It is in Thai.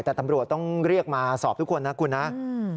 แต่ตำรวจต้องเรียกมาสอบทุกคนนะคุณนะ